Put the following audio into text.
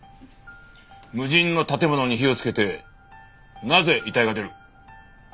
無人の建物に火をつけてなぜ遺体が出る？はあ？